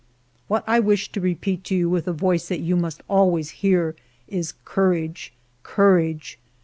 " What I wish to repeat to you with a voice that you must always hear is ' Courage, courage